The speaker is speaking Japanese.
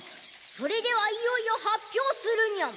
それではいよいよ発表するニャン。